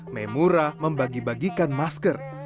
memura membagi bagikan masker